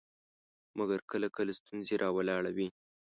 مګر کله کله ستونزې راولاړوي.